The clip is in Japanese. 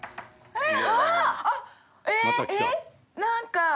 えっ！